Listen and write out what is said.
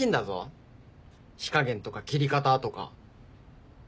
火加減とか切り方とか。